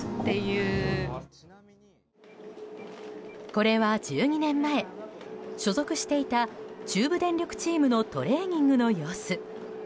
これは１２年前、所属していた中部電力チームのトレーニングの様子。